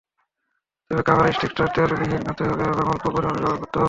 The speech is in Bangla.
তবে কাভার স্টিকটা তেলবিহীন হতে হবে এবং অল্প পরিমাণে ব্যবহার করতে হবে।